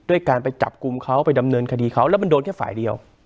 การไปจับกลุ่มเขาไปดำเนินคดีเขาแล้วมันโดนแค่ฝ่ายเดียว